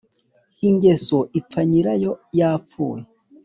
Ingeso ipfa nyirayo yapfuye.